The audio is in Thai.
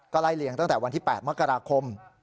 ก็ลายเลี่ยงตั้งแต่วันที่๘มังกราคม